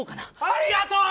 ありがとう。